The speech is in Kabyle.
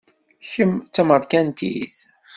Kemm d tamerkantit?